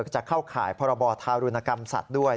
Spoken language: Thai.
จะเข้าข่ายพรบธารุณกรรมสัตว์ด้วย